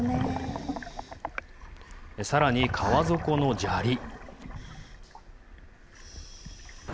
さらに川底の砂利。